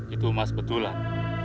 itu emas betulan